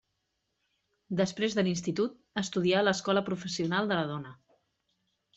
Després de l'institut, estudià a l'Escola Professional de la Dona.